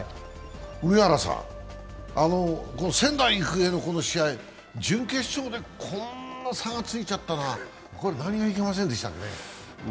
上原さん、仙台育英のこの試合、準決勝でこんな差がついちゃったのはこれは何がいけませんでしたか？